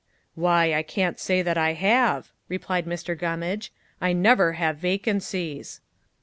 "Why, I can't say that I have," replied Mr. Gummage; "I never have vacancies."